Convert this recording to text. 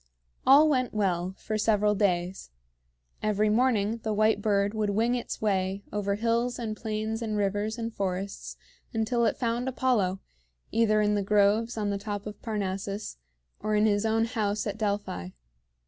All went well for several days. Every morning the white bird would wing its way over hills and plains and rivers and forests until it found Apollo, either in the groves on the top of Parnassus or in his own house at Delphi.